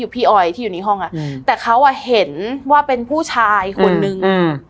พี่ออยที่อยู่ในห้องอ่ะแต่เขาอ่ะเห็นว่าเป็นผู้ชายคนนึง